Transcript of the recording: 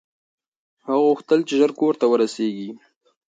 هغه غوښتل چې ژر کور ته ورسېږي.